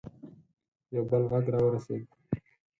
یو بل غږ راورسېد.